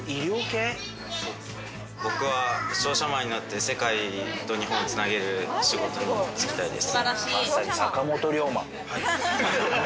僕は商社マンになって、世界と日本を繋げる仕事に就きたいです。